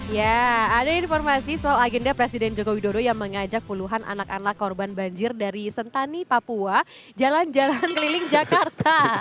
ya ada informasi soal agenda presiden joko widodo yang mengajak puluhan anak anak korban banjir dari sentani papua jalan jalan keliling jakarta